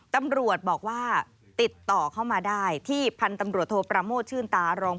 ตำรวจบอกว่าติดต่อเข้ามาได้ที่พันธุ์ตำรวจโทประโมทชื่นตารอง